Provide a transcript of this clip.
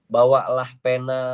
bawa lah pena